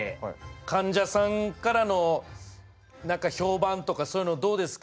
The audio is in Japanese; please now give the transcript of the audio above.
患者さんからの何か評判とかそういうのどうですか？